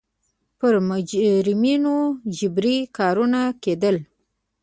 پر مجرمینو جبري کارونه کېدل.